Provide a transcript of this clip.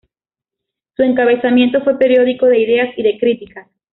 Su encabezamiento fue "periódico de Ideas y de Críticas".